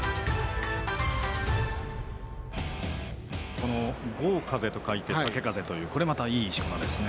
この豪風と書いて「たけかぜ」というこれまた、いいしこ名ですね。